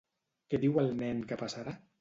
Què diu el nen que passarà?